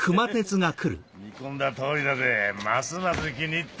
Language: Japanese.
へヘヘ見込んだ通りだぜますます気に入った！